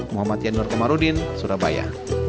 muhammad yanur komarudin surabaya